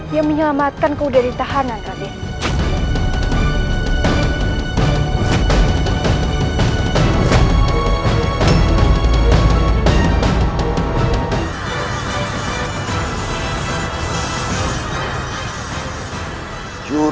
yang menyelamatkan kau dari tahanan raden